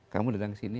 kamu datang kesini